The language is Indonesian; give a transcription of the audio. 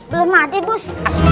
belum mati bos